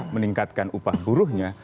meningkatkan upah buruhnya